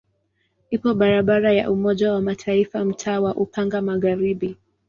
Ipo barabara ya Umoja wa Mataifa mtaa wa Upanga Magharibi.